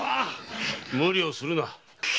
無理をするな。